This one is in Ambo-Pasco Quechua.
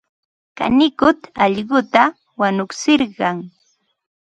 Kanikuq allquta wanutsirqan.